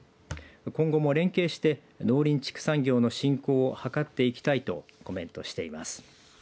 今後も連携して農林畜産業の振興を図っていきたいとコメントしています。